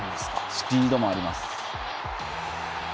スピードもあります。